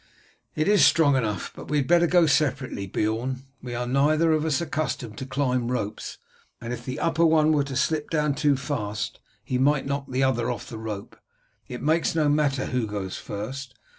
"It is strong enough, but we had better go separately, Beorn; we are neither of us accustomed to climb ropes, and if the upper one were to slip down too fast he might knock the other off the rope. It makes no matter who goes first.